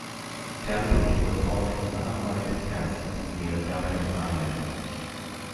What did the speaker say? Talbot was born at Malahide Castle near Dublin, Ireland.